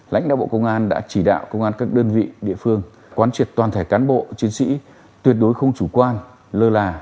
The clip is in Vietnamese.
lãnh đạo bộ công an đã chỉ đạo công an các đơn vị địa phương quán triệt toàn thể cán bộ chiến sĩ tuyệt đối không chủ quan lơ là